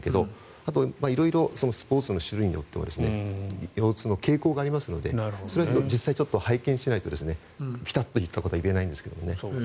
あとは色々スポーツの種類によって腰痛の傾向がありますので実際に拝見しないとピタッとしたことは言えないんですけどね。